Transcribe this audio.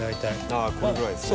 あこのぐらいですね。